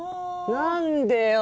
何でよ！